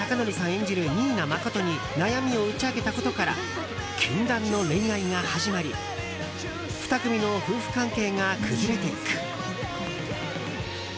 演じる新名誠に悩みを打ち明けたことから禁断の恋愛が始まり２組の夫婦関係が崩れていく。